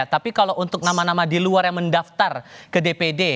tapi kalau untuk nama nama di luar yang mendaftar ke dpd